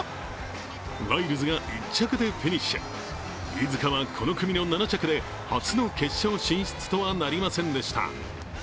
ライルズが１着でフィニッシュ、飯塚はこの組７着で初の決勝進出とはなりませんでした。